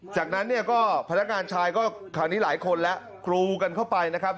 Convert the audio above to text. จากนั้นเนี่ยก็พนักงานชายก็คราวนี้หลายคนแล้วกรูกันเข้าไปนะครับ